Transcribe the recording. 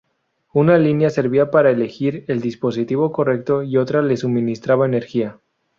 Una línea servía para elegir el dispositivo correcto y otra le suministraba energía.